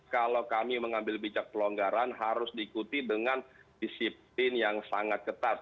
kalau kami mengambil bijak pelonggaran harus diikuti dengan disiplin yang sangat ketat